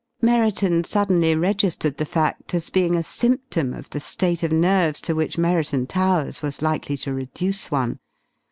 Merriton suddenly registered the fact as being a symptom of the state of nerves which Merriton Towers was likely to reduce one.